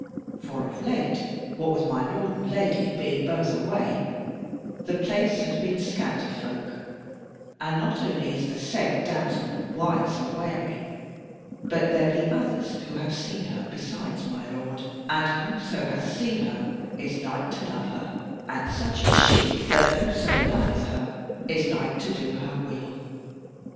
For of late, what with my Lord and my Lady being both away, the place hath been scant of folk; and not only is the said damsel wise and wary, but there be others who have seen her besides my Lord, and who so hath seen her is like to love her; and such is she, that whoso loveth her is like to do her will.